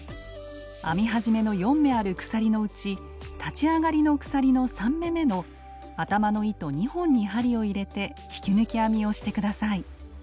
編み始めの４目ある鎖のうち立ち上がりの鎖の３目めの頭の糸２本に針を入れて引き抜き編みをして下さい。